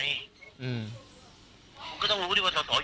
ก็ต้องรู้ว่าสาวอยู่ในภาคอยู่แล้วทีมงานเขาไปอยู่แล้ว